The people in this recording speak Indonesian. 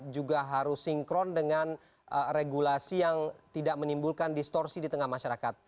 juga harus sinkron dengan regulasi yang tidak menimbulkan distorsi di tengah masyarakat